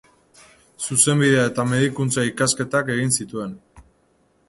Zuzenbidea eta medikuntza-ikasketak egin zituen.